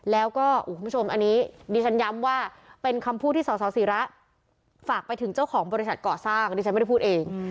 แล้วก็คุณผู้ชมอันนี้ดิฉันย้ำว่าเป็นคำพูดที่สสิระฝากไปถึงเจ้าของบริษัทก่อสร้างดิฉันไม่ได้พูดเอง